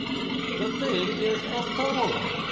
The thing is appalling.